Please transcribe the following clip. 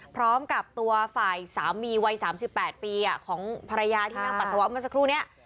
พร้อมกับตัวฝ่ายสามีวัย๓๘ปีของภรรยาที่นั่งปัสสาวะเมื่อสักครู่นี้